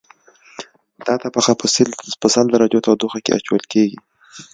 دا طبقه په سل درجو تودوخه کې اچول کیږي